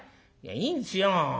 「いいんですよ。